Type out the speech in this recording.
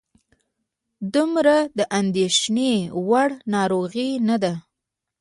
دومره د اندېښنې وړ ناروغي نه ده.